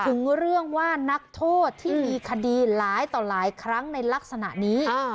ถึงเรื่องว่านักโทษที่มีคดีหลายต่อหลายครั้งในลักษณะนี้